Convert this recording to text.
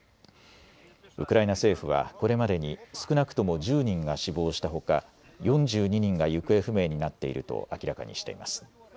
ウクライナ政府はこれまでに少なくとも１０人が死亡したほか４２人が行方不明になっていると明らかにしています。